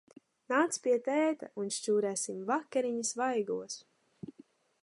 Nāc pie tēta, un šķūrēsim vakariņas vaigos!